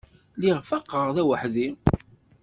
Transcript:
Lliɣ faqeɣ d aweḥdi.